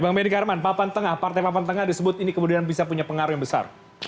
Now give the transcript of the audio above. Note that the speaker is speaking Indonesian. bang benny karman papan tengah partai papan tengah disebut ini kemudian bisa punya pengaruh yang besar